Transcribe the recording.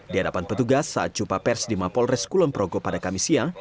di hadapan petugas saat jumpa pers di mapolres kulon progo pada kamis siang